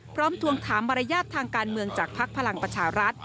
ทวงถามมารยาททางการเมืองจากภักดิ์พลังประชารัฐ